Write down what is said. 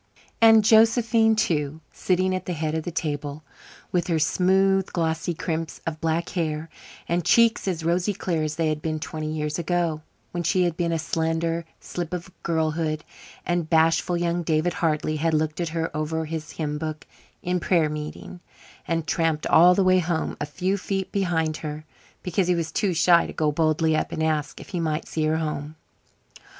And Josephine, too, sitting at the head of the table, with her smooth, glossy crimps of black hair and cheeks as rosy clear as they had been twenty years ago, when she had been a slender slip of girlhood and bashful young David Hartley had looked at her over his hymn book in prayer meeting and tramped all the way home a few feet behind her, because he was too shy to go boldly up and ask if he might see her home.